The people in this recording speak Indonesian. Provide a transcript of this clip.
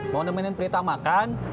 mau nemenin prita makan